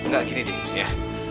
gak gini deh ya